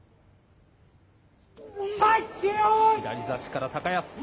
左差しから高安。